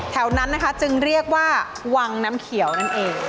แถวนั้นนะคะจึงเรียกว่าวังน้ำเขียวนั่นเอง